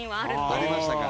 ありましたか。